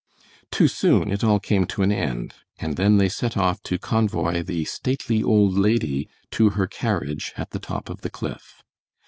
Too soon it all came to an end, and then they set off to convoy the stately old lady to her carriage at the top of the cliff.